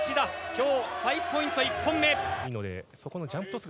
今日スパイクポイント１本目。